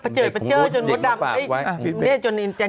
ประเจิดประเจอดจนรุ๊ดดำจนจันทิเห็น